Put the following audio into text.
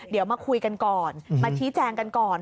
เดี๋ยวมาคุยกันก่อนมาชี้แจงกันก่อน